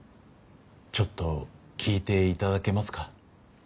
ちょっと聞いていただけますか。